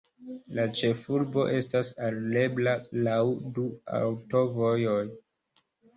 La ĉefurbo estas alirebla laŭ du aŭtovojoj.